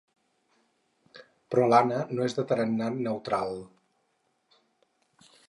Però l'Anna no és de tarannà neutral.